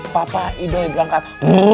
papa idol berangkat